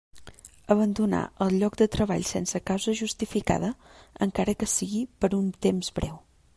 Abandonar el lloc de treball sense causa justificada, encara que sigui per un temps breu.